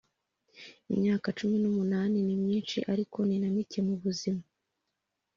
imyaka cumi n’umunani ni myinshi, ariko ni na mike mu buzima